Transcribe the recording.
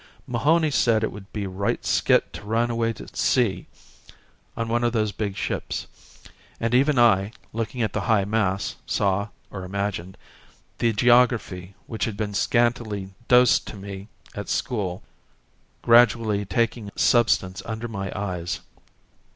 Mahony said it would be right skit to run away to sea on one of those big ships and even I, looking at the high masts, saw, or imagined, the geography which had been scantily dosed to me at school gradually taking substance under my eyes.